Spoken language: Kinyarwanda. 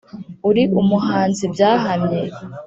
Uri umuhanzi byahamye